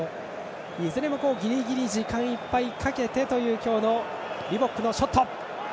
いずれもギリギリ時間いっぱいかけてという今日のリボックのショット。